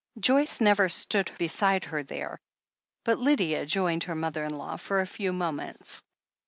Joyce never stood beside her there, but Lydia joined her mother in law for a few moments.